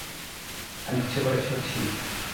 আমি কি ইচ্ছে করে ছিাঁড়চি?